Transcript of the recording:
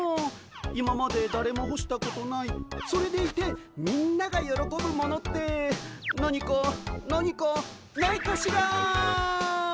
今までだれもほしたことないそれでいてみんながよろこぶものって何か何かないかしら。